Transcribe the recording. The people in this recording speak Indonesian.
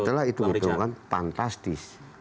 nah setelah hitung hitungan fantastis